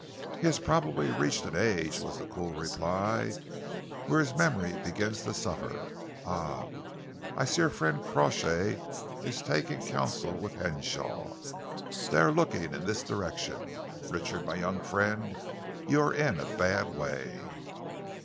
"He has probably reached an age," was the cool reply, "when his memory begins to suffer. Ah! I see our friend Crawshay is taking counsel with Henshaw. They are looking in this direction. Richard, my young friend, you are in a bad way.